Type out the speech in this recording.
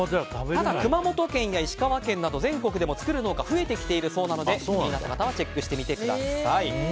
熊本県や石川県でも、全国でも作る農家が増えてきているそうなので気になった方はチェックしてみてください。